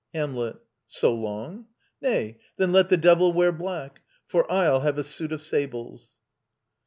Hamlet: So long? Nay, then let the devil wear black, for I'll have a suit of sables."